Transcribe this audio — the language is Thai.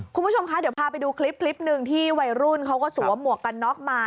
คุณผู้ชมคะเดี๋ยวพาไปดูคลิปคลิปหนึ่งที่วัยรุ่นเขาก็สวมหมวกกันน็อกมา